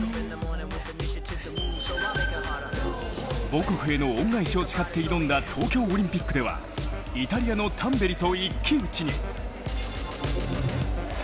母国への恩返しを誓って挑んだ東京オリンピックではイタリアのタンベリと一騎打ちに。